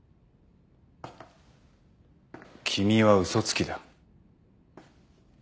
君は嘘つきだ。